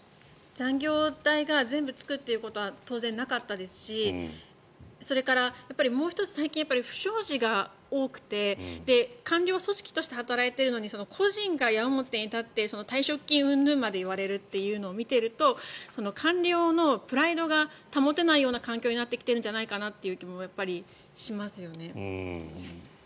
残業代が全部つくっていうことは当然なかったですしそれから、もう１つ最近、不祥事が多くて官僚組織として働いているのに個人が矢面に立って退職金うんぬんまで言われるというのを見ていると官僚のプライドが保てないような環境になってきているんじゃないかなという気もしますよね。